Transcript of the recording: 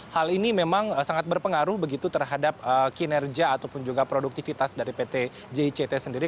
hal ini memang sangat berpengaruh begitu terhadap kinerja ataupun juga produktivitas dari pt jict sendiri